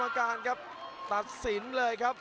หัวจิตหัวใจแก่เกินร้อยครับ